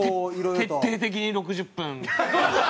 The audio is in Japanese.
徹底的に６０分。